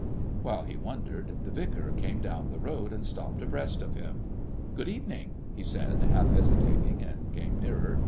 While he wondered, the vicar came down the road and stopped abreast of him. "Good evening," he said, half hesitating, and came nearer.